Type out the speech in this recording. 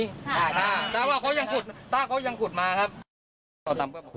แต่ว่าเขายังขุดต้าเขายังขุดมาครับ